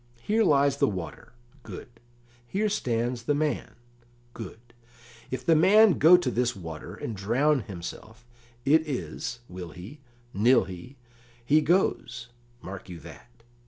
"Here lies the water good; here stands the man good; if the man go to this water and drown himself, it is, will he, nill he, he goes mark you that.